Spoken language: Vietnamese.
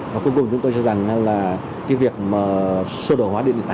và cuối cùng chúng tôi cho rằng là cái việc sô đồ hóa điện điện tán